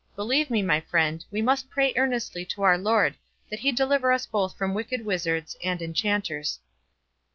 Believe me, my friend, we must pray earnestly to our Lord that he deliver us both from wicked wizards and enchanters."